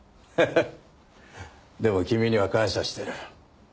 でも君には感謝してる。